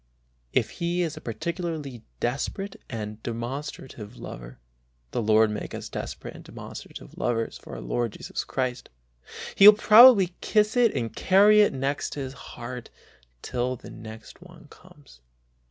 If he is a particularly desperate and demonstrative lover — (the Lord make us desperate and demonstrative lovers of our Lord Jesus Christ !)— he will probably kiss it and carry it next to his heart till the next one comes.